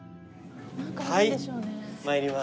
はい参ります。